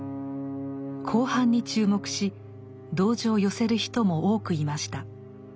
後半に注目し同情を寄せる人も多くいました。